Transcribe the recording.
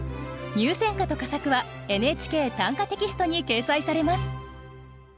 入選歌と佳作は「ＮＨＫ短歌」テキストに掲載されます。